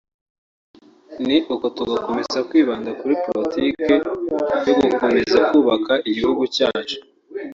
ni uko tugakomeza kwibanda kuri politiki yo gukomeza kubaka igihugu cyacu